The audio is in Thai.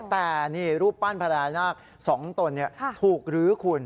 แต่นี่รูปปั้นพญานาค๒ตนถูกลื้อคุณ